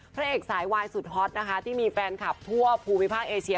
พระเอกสายวายสุดฮอตนะคะที่มีแฟนคลับทั่วภูมิภาคเอเชีย